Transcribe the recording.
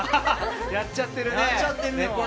やっちゃってるね。